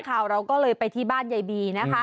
แม่ข่าวเราก็เลยไปที่บ้านยายบีนะคะ